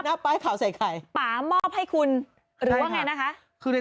ว่าแล้วป้ายเผ่าใส่ไข่